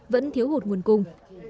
vẫn thiếu hụt nguồn cùng